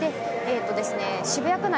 渋谷区内